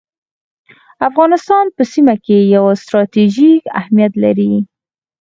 افغانستان په سیمه کي یو ستراتیژیک اهمیت لري